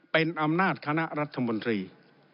เป็นอำนาจคณะรัฐมนตรี